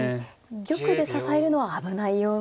玉で支えるのは危ないような。